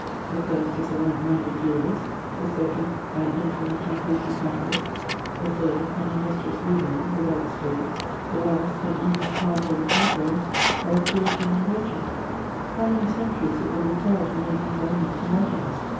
The first is a light minded duellist ; the second, an indolent and haughty Catholic ; the third, an industrious Lutheran, without slaves ; the last, an English planter with negroes, or a Puritan and merchant : how many centuries it will require to make these elements homogeneous